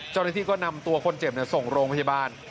เจ้าหน้าที่ก็นำตัวคนเจ็บส่งโรงพยาบาล